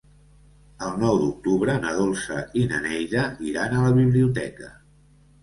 El nou d'octubre na Dolça i na Neida iran a la biblioteca.